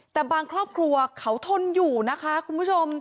แต่บางครอบครัวเขาทนอยู่นะคะคุณผู้ชม